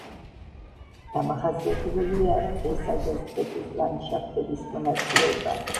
დამახასიათებელია ტყისა და სტეპის ლანდშაფტების მონაცვლეობა.